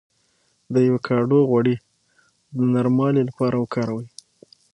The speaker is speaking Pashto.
د ایوکاډو غوړي د نرموالي لپاره وکاروئ